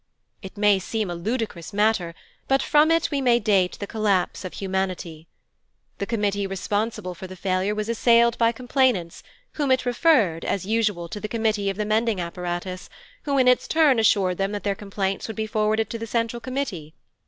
It may seem a ludicrous matter, but from it we may date the collapse of humanity. The Committee responsible for the failure was assailed by complainants, whom it referred, as usual, to the Committee of the Mending Apparatus, who in its turn assured them that their complaints would be forwarded to the Central Committee.